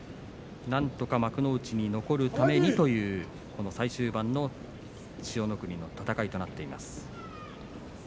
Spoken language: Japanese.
なんとか幕内に残るためにという最終盤の千代の国の戦いとなっています。